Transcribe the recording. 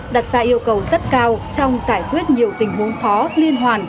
đặt ra yêu cầu rất cao trong giải quyết nhiều tình huống khó liên hoàn